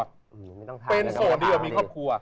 เป็นโสดดีกว่ามีครอบครัว